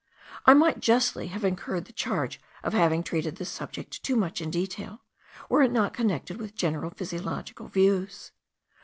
I might justly have incurred the charge of having treated this subject too much in detail, were it not connected with general physiological views.